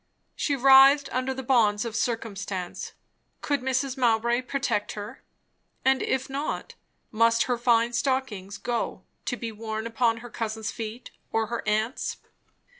She writhed under the bonds of circumstance. Could Mrs. Mowbray protect her? and if not, must her fine stockings go, to be worn upon her cousin's feet, or her aunt's?